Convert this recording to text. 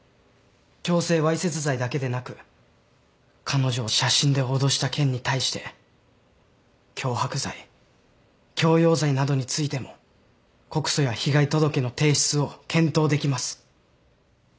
強制わいせつ罪だけでなく彼女を写真で脅した件に対して脅迫罪強要罪などについても告訴や被害届の提出を検討できます。